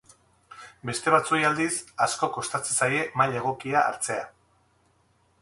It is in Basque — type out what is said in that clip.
Beste batzuei aldiz, asko kostatzen zaie maila egokia hartzea.